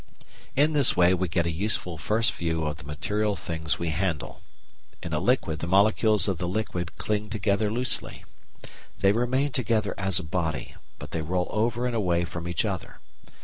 In this way we get a useful first view of the material things we handle. In a liquid the molecules of the liquid cling together loosely. They remain together as a body, but they roll over and away from each other.